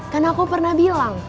kan aku pernah bilang